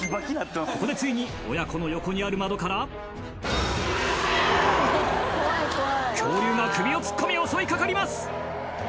ここでついに親子の横にある窓から恐竜が首を突っ込み襲いかかります